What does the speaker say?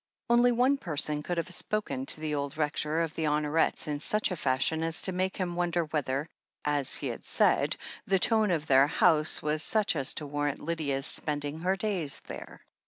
Only one per§on could have spoken to the old Rector of the Honorets in such a fashion as to make him wonder whether, as he had said, the tone of their house was such as to warrant Lydia's spending her days there.